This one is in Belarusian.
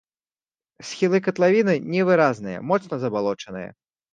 Схілы катлавіны невыразныя, моцна забалочаныя.